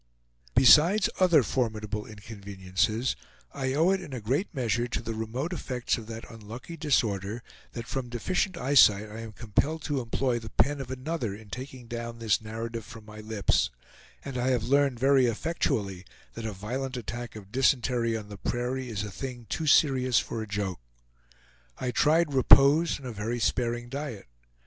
Besides other formidable inconveniences I owe it in a great measure to the remote effects of that unlucky disorder that from deficient eyesight I am compelled to employ the pen of another in taking down this narrative from my lips; and I have learned very effectually that a violent attack of dysentery on the prairie is a thing too serious for a joke. I tried repose and a very sparing diet.